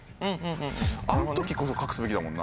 あの時こそ隠すべきだもんな